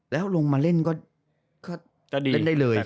แล้วลงมาเล่นก็เล่นได้เลย